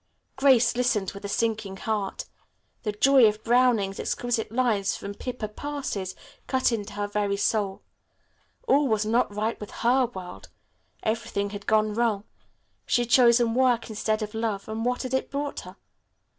Grace listened with a sinking heart. The joy of Browning's exquisite lines from "Pippa Passes" cut into her very soul. All was not right with her world. Everything had gone wrong. She had chosen work instead of love, and what it brought her?